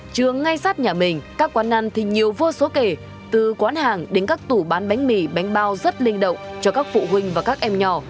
trường ngay sát nhà mình các quán ăn thì nhiều vô số kể từ quán hàng đến các tủ bán bánh mì bánh bao rất linh động cho các phụ huynh và các em nhỏ